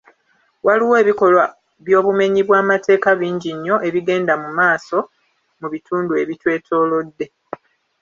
Waliwo ebikolwa by'obumenyi bwa'amateeka bingi nnyo ebigenda mu maaso mu bitundu ebitwetoolodde.